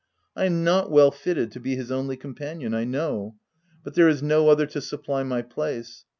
I am not well fitted to be his only companion, I know; but there is no other to supply my place.